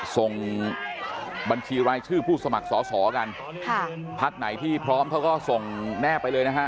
ส่งบัญชีรายชื่อผู้สมัครสอสอกันค่ะพักไหนที่พร้อมเขาก็ส่งแนบไปเลยนะฮะ